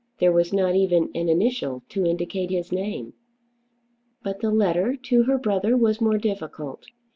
There was not even an initial to indicate his name. But the letter to her brother was more difficult.